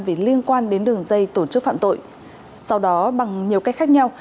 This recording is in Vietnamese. vì liên quan đến đường dây tổ chức phạm tội sau đó bằng nhiều cách khác nhau